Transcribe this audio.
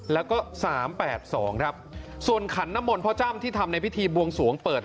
แล้วก็สามแปดสองครับส่วนขันน้ำมลพเจ้าที่ทำในพิธีบวงสวงเปิด